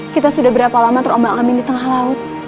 kita sudah berapa lama terombak amin di tengah laut